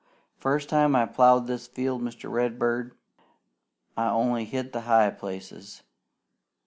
First time I plowed this field, Mr. Redbird, I only hit the high places.